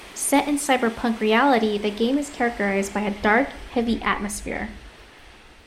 Set in a cyberpunk reality, the game is characterized by a dark, heavy atmosphere.